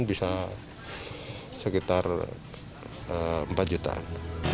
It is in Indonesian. bisa sekitar empat jutaan